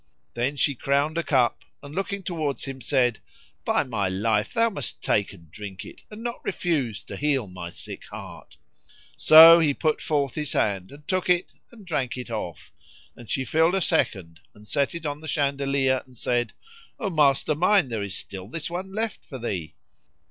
Then she crowned a cup and looking towards him said, "By my life thou must take and drink it, and not refuse to heal my sick heart!" So he put forth his hand and took it and drank it off and she filled a second and set it on the chandelier and said, "O master mine, there is still this one left for thee."